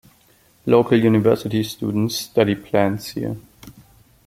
Local university students study plants here.